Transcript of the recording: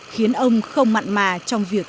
khiến ông không mặn mà trong việc